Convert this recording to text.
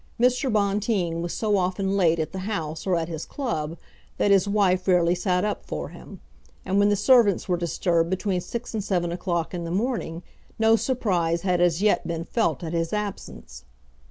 Mr. Bonteen was so often late at the House or at his club that his wife rarely sat up for him; and when the servants were disturbed between six and seven o'clock in the morning, no surprise had as yet been felt at his absence.